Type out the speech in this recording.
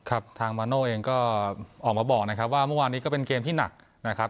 ทางมาโน่เองก็ออกมาบอกนะครับว่าเมื่อวานนี้ก็เป็นเกมที่หนักนะครับ